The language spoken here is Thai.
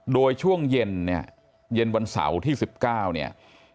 โดยช่วงเย็นเนี่ยเย็นวันเสาร์ที่๑๙เนี่ย